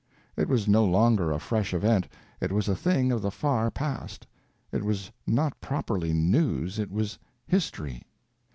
It was no longer a fresh event, it was a thing of the far past; it was not properly news, it was history.